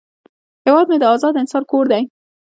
هیواد مې د آزاد انسان کور دی